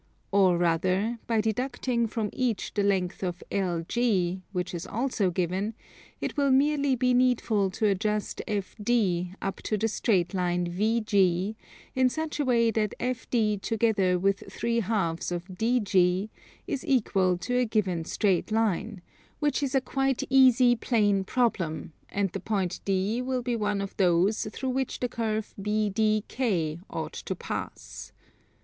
Or rather, by deducting from each the length of LG, which is also given, it will merely be needful to adjust FD up to the straight line VG in such a way that FD together with 3/2 of DG is equal to a given straight line, which is a quite easy plane problem: and the point D will be one of those through which the curve BDK ought to pass.